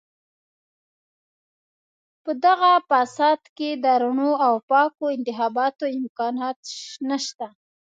په دغه فساد کې د رڼو او پاکو انتخاباتو امکانات نشته.